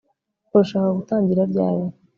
Urashaka gutangira ryari